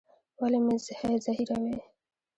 ولي مي زهيروې؟